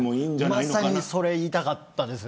まさにそれを言いたかったんです。